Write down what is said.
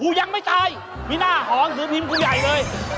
กูยังไม่ตายมีหน้าหอมถือพิมพ์ผู้ใหญ่เลย